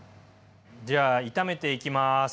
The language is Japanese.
じゃ炒めていきます。